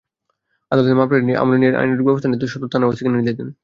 আদালত মামলাটি আমলে নিয়ে আইনানুগ ব্যবস্থা নিতে সদর থানার ওসিকে নির্দেশ দেন।